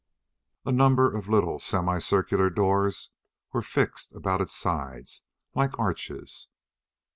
A number of little semi circular doors were fixed about its sides like arches.